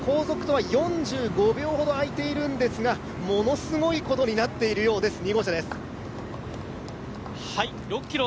そして、手元の時計後続とは４５秒ほど空いているんですがものすごいことになっているようです、２号車です。